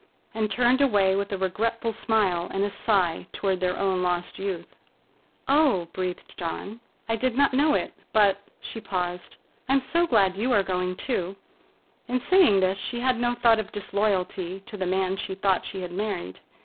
and turned away with a regretful smile and a sigh toward their own lost youth. "Oh!" breathed Dawn. "I did not know it, but"—she paused—"I'm so glad you are going, too!" In saying this, she had no thought of disloyalty to the man she thought she had married.